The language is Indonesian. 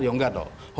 ya nggak toh